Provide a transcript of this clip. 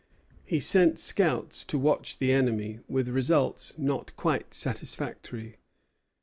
He sent scouts to watch the enemy, with results not quite satisfactory.